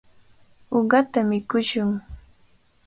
Uqata mikushun.